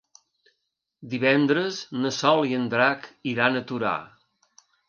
Divendres na Sol i en Drac iran a Torà.